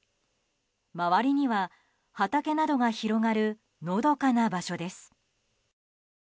周りには畑などが広がるのどかな場所です。